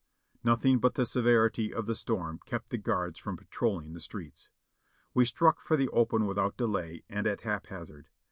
Nothing but the severity of the storm kept the guards from patrolling the streets. W'e struck for the open without delay and at haphazard.